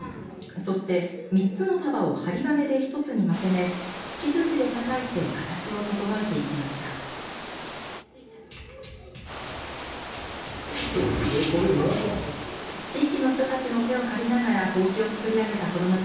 そして３つの束を針金で１つにまとめ木づちでたたいて形を整えていきました。